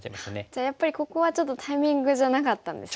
じゃあやっぱりここはちょっとタイミングじゃなかったんですね。